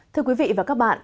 thưa quý vị và các bạn